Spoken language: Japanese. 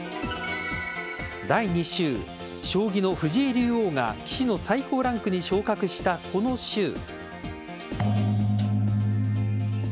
第２週将棋の藤井竜王が棋士の最高ランクに昇格したこの週